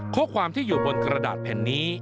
ข้อความที่อยู่บนกระดาษแผ่นนี้